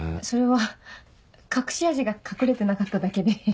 それは隠し味が隠れてなかっただけで。